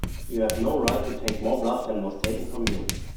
You have no right to take more blood than was taken from you.